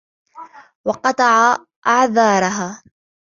وَقَطَعَ أَعْذَارَهَا